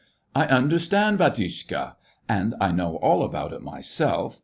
" I understand, bdtiitshka. And I know all about it myself.